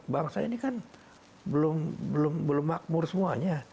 bangsa ini kan belum makmur semuanya